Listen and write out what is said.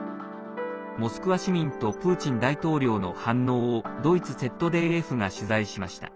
モスクワ市民とプーチン大統領の反応をドイツＺＤＦが取材しました。